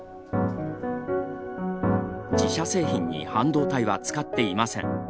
自社製品に半導体は使っていません。